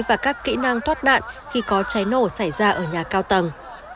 và các kỹ năng thoát nạn khi có cháy nổ xảy ra ở nhà cao tầng